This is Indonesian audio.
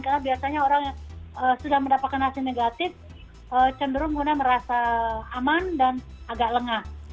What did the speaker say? karena biasanya orang yang sudah mendapatkan hasil negatif cenderung menggunakan merasa aman dan agak lengah